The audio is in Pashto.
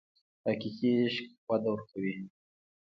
حقیقي عشق وده ورکوي.